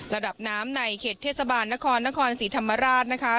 ระดับน้ำในเขตเทศบาลนครนครศรีธรรมราชนะคะ